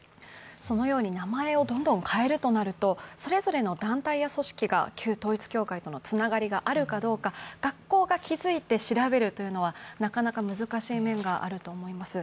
そのように名前をどんどん変えるとなると、それぞれの団体や組織が旧統一教会とのつながりがあるかどうか、学校が気付いて調べるというのは、なかなか難しい面があると思います。